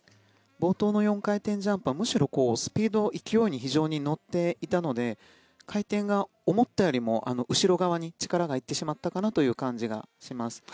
冒頭の４回転ジャンプはむしろスピード、勢いに非常に乗っていたので回転が思ったよりも後ろ側に力が行ってしまったかなという感じがします。